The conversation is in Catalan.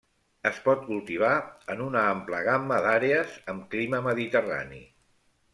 Es pot cultivar en una àmplia gamma d'àrees amb clima mediterrani.